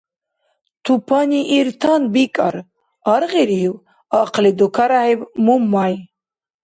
— «Тупани иртан бикӀар». Аргъирив? — ахъли дукаряхӀиб Мумай.